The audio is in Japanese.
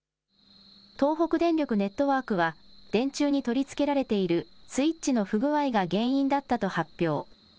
東北電力ネットワークは、電柱に取り付けられているスイッチの不具合が原因だったと発表。